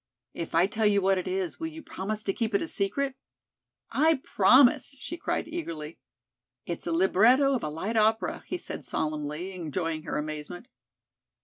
"If I tell you what it is, will you promise to keep it a secret?" "I promise," she cried eagerly. "It's the libretto of a light opera," he said solemnly, enjoying her amazement.